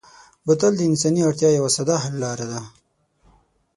بوتل د انساني اړتیا یوه ساده حل لاره ده.